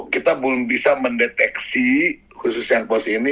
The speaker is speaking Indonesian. kita belum bisa mendeteksi khusus yang pos ini